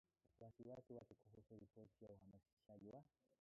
wasiwasi wake kuhusu ripoti ya uhamasishaji wa